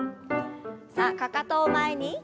さあかかとを前に。